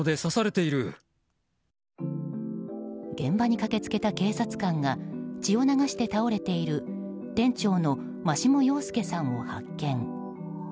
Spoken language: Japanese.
現場に駆け付けた警察官が血を流して倒れている店長の真下陽介さんを発見。